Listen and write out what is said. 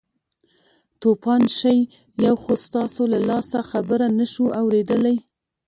توپان شئ یو خو ستاسو له لاسه خبره نه شوو اورېدلی.